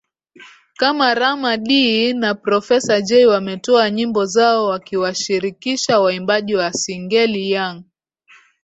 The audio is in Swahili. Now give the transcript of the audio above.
kama Rama Dee na Profesa Jay wametoa nyimbo zao wakiwashirikisha waimbaji wa Singeli Young